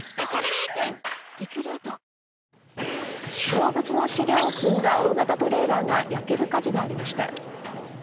動物の飼料を積んだ大型トレーラーが焼ける火事がありました。